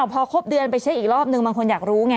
พอครบเดือนไปเช็คอีกรอบนึงบางคนอยากรู้ไง